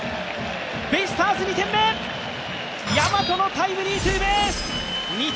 ベイスターズ２点目、大和のタイムリーツーベース２−０！